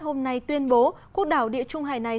hôm nay tuyên bố quốc đảo địa trung hải này